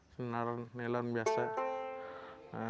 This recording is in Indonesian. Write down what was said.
senar melon biasa